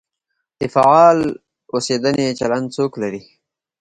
د فعال اوسېدنې چلند څوک لري؟